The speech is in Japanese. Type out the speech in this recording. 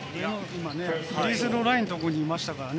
フリースローラインのところにいましたからね。